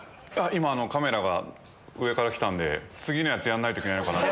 今カメラが上から来たんで次のやつやらないといけないのかな。